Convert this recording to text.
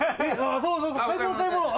そうそうそう買い物買い物。